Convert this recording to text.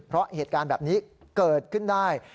เพราะเหตุการณ์แบบนี้เกิดขึ้นได้